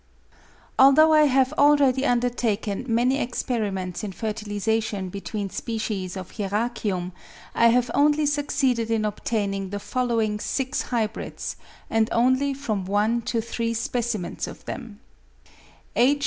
ALTHOUGH I have already undertaken many experiments in fertilisation between species of Hieracium, I have only succeeded in obtaining the following 6 hybrids, and only from one to three specimens of them : If.